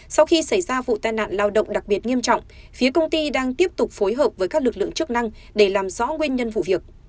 sau khi xảy ra vụ tai nạn lao động đặc biệt nghiêm trọng phía công ty đang tiếp tục phối hợp với các lực lượng chức năng để làm rõ nguyên nhân vụ việc